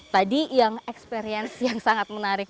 tadi yang experience yang sangat menarik